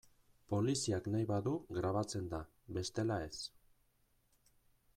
Poliziak nahi badu grabatzen da, bestela ez.